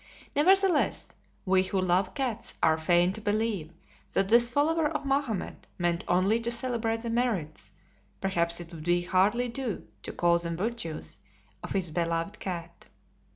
Nevertheless, we who love cats are fain to believe that this follower of Mahomet meant only to celebrate the merits perhaps it would hardly do to call them virtues of his beloved cat.